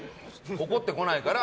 怒ってこないから。